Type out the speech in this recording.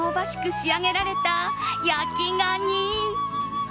仕上げられた焼きガニ。